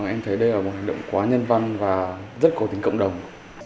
em thấy đây là một hành động quá nhân văn và rất có tính cộng đồng